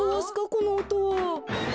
このおとは。